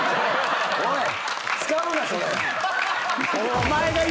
おい。